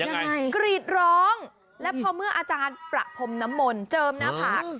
ยังไงกรีดร้องแล้วพอเมื่ออาจารย์ประพรมน้ำมนต์เจิมหน้าผาก